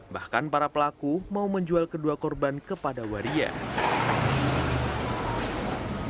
bahkan para pelaku mau menjual kedua korban kepada waria